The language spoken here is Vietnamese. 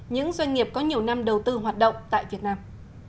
những doanh nghiệp có nhiều năm đầu tư hoạt động tại việt nam